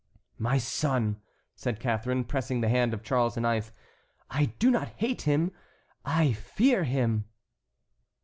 "My son," said Catharine, pressing the hand of Charles IX., "I do not hate him, I fear him."